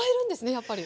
やっぱり。